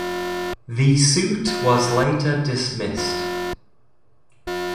The suit was later dismissed.